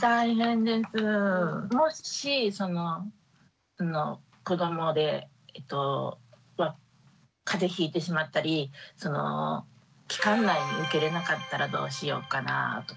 もしその子どもでまあ風邪ひいてしまったり期間内に受けれなかったらどうしようかなぁとか。